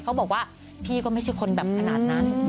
เขาบอกว่าพี่ก็ไม่ใช่คนแบบขนาดนั้น